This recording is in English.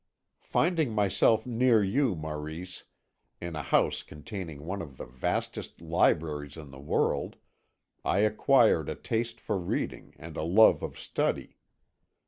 Finding myself near you, Maurice, in a house containing one of the vastest libraries in the world, I acquired a taste for reading and a love of study.